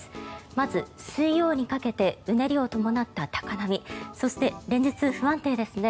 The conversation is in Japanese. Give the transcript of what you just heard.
まず水曜にかけてうねりを伴った高波そして、連日不安定ですね。